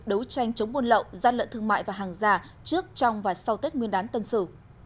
đấu tranh chống buôn lậu gian lận thương mại và hàng giả trước trong và sau tết nguyên đán tân sử